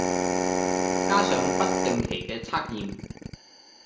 加上不定期嘅測驗